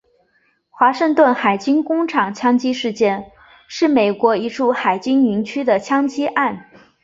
华盛顿海军工厂枪击事件是美国一处海军营区的枪击案。